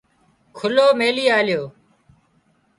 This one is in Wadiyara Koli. کُلو ميلي آليو